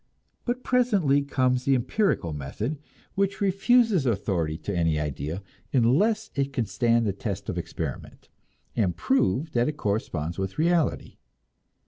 But presently comes the empirical method, which refuses authority to any idea unless it can stand the test of experiment, and prove that it corresponds with reality.